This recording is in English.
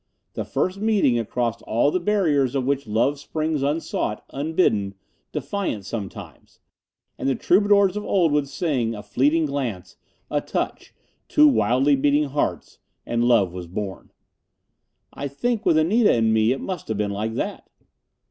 The first meeting, across all the barriers of which love springs unsought, unbidden defiant, sometimes. And the troubadours of old would sing: "A fleeting glance; a touch; two wildly beating hearts and love was born." I think, with Anita and me, it must have been like that....